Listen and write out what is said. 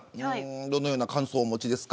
どのような感想をお持ちですか。